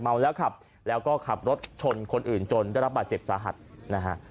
เมาแล้วขับแล้วก็ขับรถชนคนอื่นจนได้รับบาดเจ็บสาหัสนะฮะ